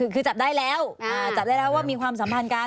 คือจับได้แล้วจับได้แล้วว่ามีความสัมพันธ์กัน